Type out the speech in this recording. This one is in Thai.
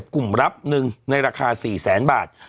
กลุ่มรับหนึ่งในราคา๔แสนบาท